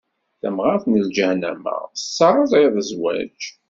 Tamɣaṛt n lǧahennama, tettɛeṛṛiḍ zzwaǧ.